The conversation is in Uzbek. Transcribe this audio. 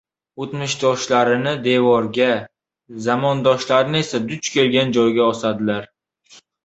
— O‘tmishdoshlarni devorga, zamondoshlarni esa duch kelgan joyga osadilar.